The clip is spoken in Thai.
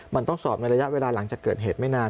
มันต้องสอบในระยะเวลาหลังจากเกิดเหตุไม่นาน